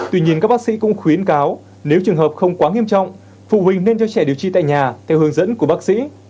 tuy nhiên các bác sĩ cũng khuyến cáo nếu trường hợp không quá nghiêm trọng phụ huynh nên cho trẻ điều trị tại nhà theo hướng dẫn của bác sĩ